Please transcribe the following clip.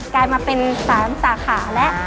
กลายมาเป็น๓สาขาแล้ว